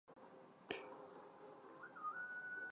团结一致才不会倒下